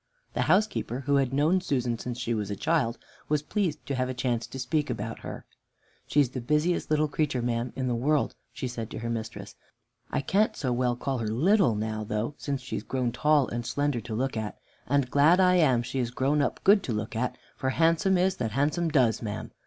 The housekeeper, who had known Susan since she was a child, was pleased to have a chance to speak about her. "She is the busiest little creature, ma'am, in the world," she said to her mistress. "I can't so well call her little now though, since she's grown tall and slender to look at; and glad I am she is grown up good to look at; for handsome is that handsome does, ma'am.